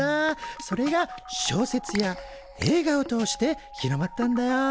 それが小説や映画を通して広まったんだよ。